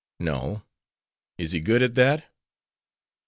"No; is he good at that?"